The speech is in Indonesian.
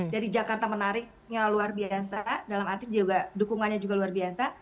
dari jakarta menarik yang luar biasa dalam arti juga dukungannya juga luar biasa